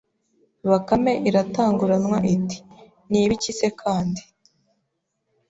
Bakame iratanguranwa iti nibikise kandi